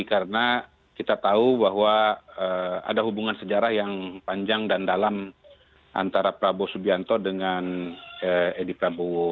karena kita tahu bahwa ada hubungan sejarah yang panjang dan dalam antara prabowo subianto dengan edi prabowo